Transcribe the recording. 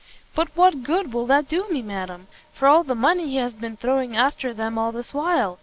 "But what good will that do me, ma'am, for all the money he has been throwing after them all this while?